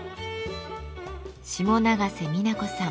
下永瀬美奈子さん。